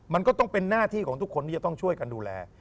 มันก็ต้องเป็นหน้าที่ของทุกคนที่จะต้องช่วยกันดูแล